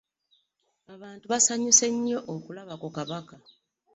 Abantu basanyuse nnyo okulaba ku kabaka.